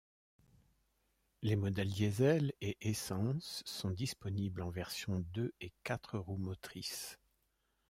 Les modèles Diesel, et essence sont disponibles en version deux et quatre roues motrices.